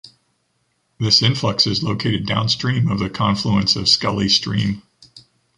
This influx is located downstream of the confluence of Scully stream.